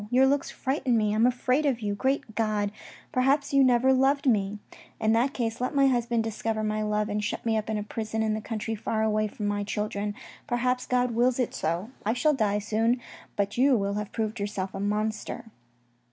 Your looks frighten me. I am afraid of you. Great God ! perhaps you have never loved me ? In ANNONYMOUS LETTERS 125 that case let my husband discover my love, and shut me up in a prison in the country far away from my children. Perhaps God wills it so. I shall die soon, but you will have proved yourself a monster.